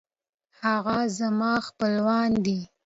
هغه زما خپلوان دی